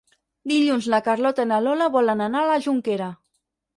Dilluns na Carlota i na Lola volen anar a la Jonquera.